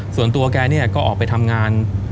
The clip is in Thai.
ส่วนตัวแกเนี่ยก็ออกไปทำงาน